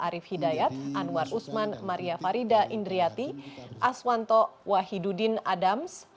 arief hidayat anwar usman maria farida indriati aswanto wahidudin adams